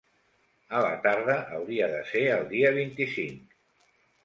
A la tarda hauria de ser el dia vint-i-cinc.